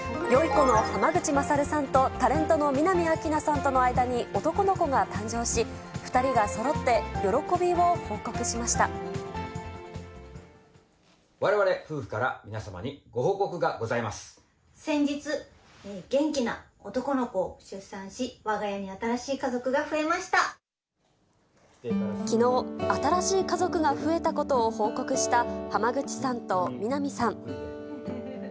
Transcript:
この濱口優さんとタレントの南明奈さんとの間に男の子が誕生し、２人がそろって喜びを報われわれ夫婦から、皆様にご先日、元気な男の子を出産し、きのう、新しい家族が増えたことを報告した、濱口さんと南さん。